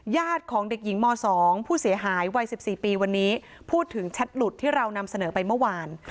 ของเด็กหญิงม๒ผู้เสียหายวัย๑๔ปีวันนี้พูดถึงแชทหลุดที่เรานำเสนอไปเมื่อวาน